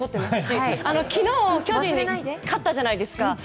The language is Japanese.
昨日巨人に勝ったじゃないですか。